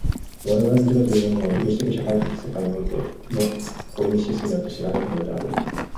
我々の自己というものも、歴史的社会的世界においてのポイエシスによって知られるのであろう。